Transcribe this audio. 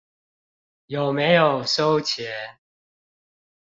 有沒有收錢